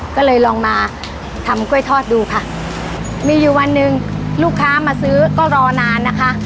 ก็เลยลองมาทำกล้วยทอดดูค่ะมีอยู่วันหนึ่งลูกค้ามาซื้อก็รอนานนะคะ